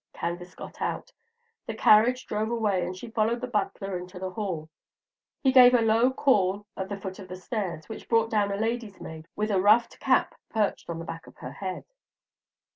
Candace got out; the carriage drove away, and she followed the butler into the hall. He gave a low call at the foot of the stairs, which brought down a ladies' maid with a ruffed cap perched on the back of her head.